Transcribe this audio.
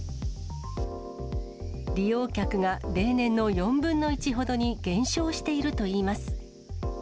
利用客が例年の４分の１ほどに減少しているといいます。